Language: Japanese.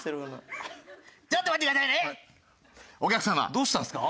どうしたんですか？